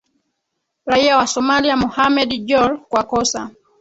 raia wa somalia mohamed jol kwa kosa